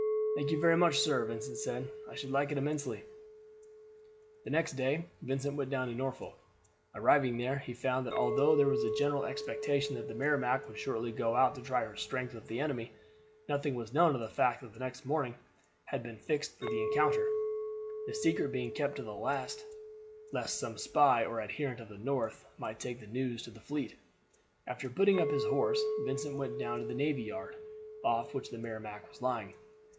"Thank you very much, sir," Vincent said. "I should like it immensely." The next day Vincent went down to Norfolk. Arriving there, he found that although there was a general expectation that the Merrimac would shortly go out to try her strength with the enemy, nothing was known of the fact that the next morning had been fixed for the encounter, the secret being kept to the last lest some spy or adherent of the North might take the news to the fleet. After putting up his horse Vincent went down to the navy yard, off which the Merrimac was lying.